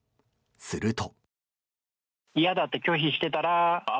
すると。